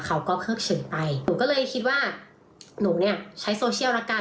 เขาก็เพิกเฉยไปหนูก็เลยคิดว่าหนูเนี่ยใช้โซเชียลละกัน